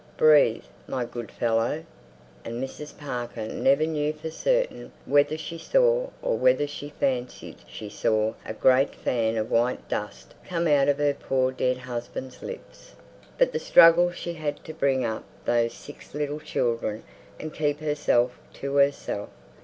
Breathe, my good fellow!" And Mrs. Parker never knew for certain whether she saw or whether she fancied she saw a great fan of white dust come out of her poor dead husband's lips.... But the struggle she'd had to bring up those six little children and keep herself to herself.